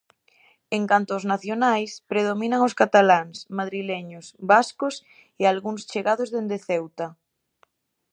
En canto aos nacionais, predominan os cataláns, madrileños, vascos e algúns chegados dende ceuta.